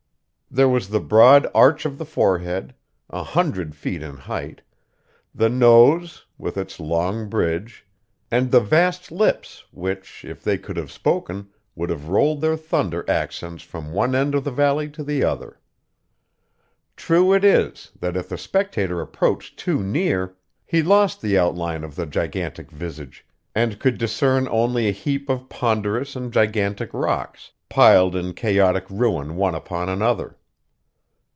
There was the broad arch of the forehead, a hundred feet in height; the nose, with its long bridge; and the vast lips, which, if they could have spoken, would have rolled their thunder accents from one end of the valley to the other. True it is, that if the spectator approached too near, he lost the outline of the gigantic visage, and could discern only a heap of ponderous and gigantic rocks, piled in chaotic ruin one upon another.